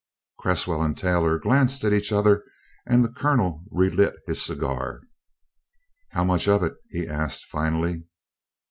Cresswell and Taylor glanced at each other and the Colonel re lit his cigar. "How much of it?" he asked finally.